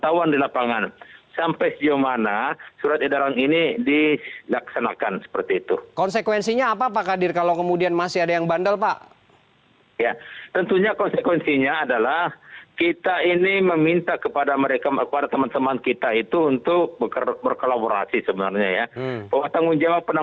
harganya masih berbeda beda